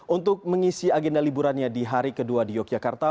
untuk mengisi agenda liburannya di hari kedua di yogyakarta